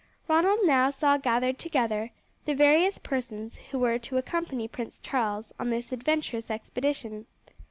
Ronald now saw gathered together the various persons who were to accompany Prince Charles on this adventurous expedition.